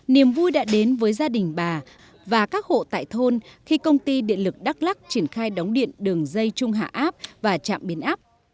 niềm vui đã đến với gia đình bà và các hộ tại thôn khi công ty điện lực đắk lắc triển khai đóng điện đường dây trung hạ áp và trạm biến áp